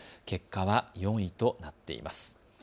結果は４位となっています。